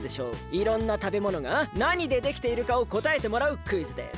いろんなたべものが何でできているかをこたえてもらうクイズです！